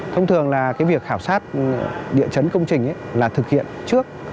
thông thường là cái việc khảo sát địa chấn công trình là thực hiện trước